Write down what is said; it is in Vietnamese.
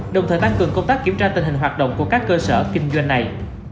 đồng thời tăng cường công tác kiểm tra tình hình hoạt động của các cơ sở kinh doanh này